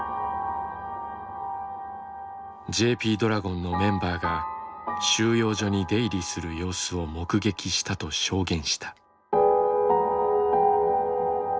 ＪＰドラゴンのメンバーが収容所に出入りする様子を目撃したと証言した。